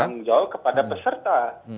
bertanggung jawab kepada peserta